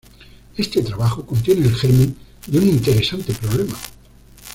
Este trabajo contiene el germen de un interesante problema.